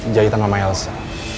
jadi tangan sama elsa